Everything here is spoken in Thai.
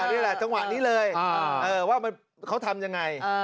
นี่แหละจังหวะนี้เลยว่าเขาทำยังไง